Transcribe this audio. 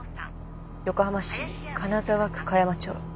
横浜市金沢区加山町。